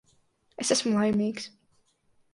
Es esmu laimīgs.